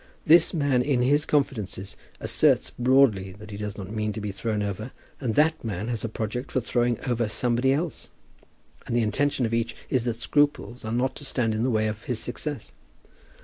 This man, in his confidences, asserts broadly that he does not mean to be thrown over, and that man has a project for throwing over somebody else; and the intention of each is that scruples are not to stand in the way of his success.